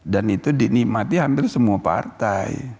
dan itu dinikmati hampir semua partai